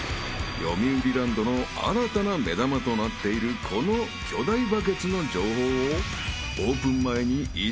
［よみうりランドの新たな目玉となっているこの巨大バケツの情報をオープン前にいち早くゲット］